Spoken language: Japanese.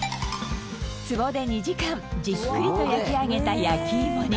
壺で２時間じっくりと焼き上げた焼きいもに。